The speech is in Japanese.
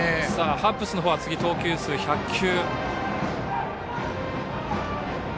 ハッブスの方は次、投球数１００球。